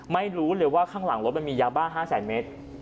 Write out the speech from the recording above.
ไม่รู้เลยว่าข้างหลังรถมันมียาบ้า๕แสนเมตร